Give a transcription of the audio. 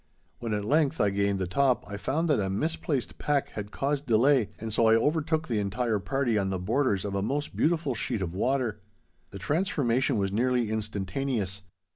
When at length I gained the top I found that a misplaced pack had caused delay, and so I overtook the entire party on the borders of a most beautiful sheet of water. The transformation was nearly instantaneous.